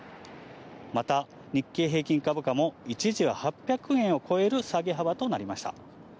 また日経平均株価も一時は８００円を超える下げ幅となりました。